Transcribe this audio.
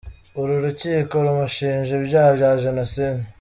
Uru rukiko rumushinja ibyaha bya jenoside.